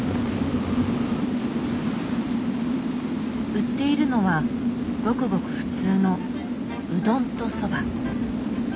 売っているのはごくごく普通のうどんとそば。